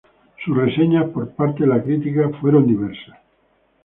Sus reseñas por parte de la crítica fueron diversas.